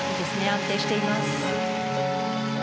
安定しています。